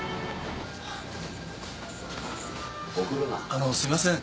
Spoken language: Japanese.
あのすいません。